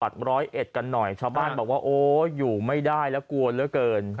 ร้อยเอ็ดกันหน่อยชาวบ้านบอกว่าโอ้อยู่ไม่ได้แล้วกลัวเหลือเกิน